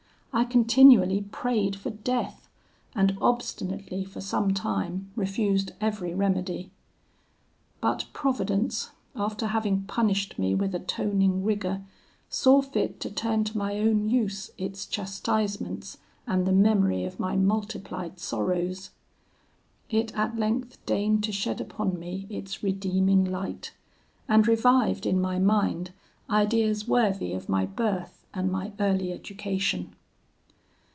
I continually prayed for death, and obstinately for some time refused every remedy. But Providence, after having punished me with atoning rigour, saw fit to turn to my own use its chastisements and the memory of my multiplied sorrows. It at length deigned to shed upon me its redeeming light, and revived in my mind ideas worthy of my birth and my early education.